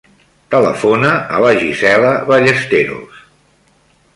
Telefona a la Gisela Ballesteros.